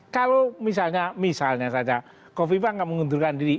kalau misalnya saja hovifah nggak mengundurkan diri